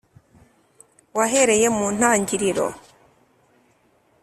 wahereye mu ntangiriro ...